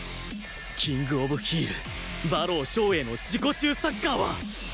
キング・オブ・ヒール馬狼照英の自己中サッカーは